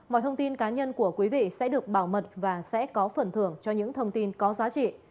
mọi thông tin cá nhân của quý vị sẽ được bảo mật và sẽ có phần thưởng cho những thông tin có giá trị